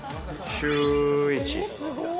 シューイチ。